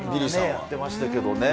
やってましたけどね。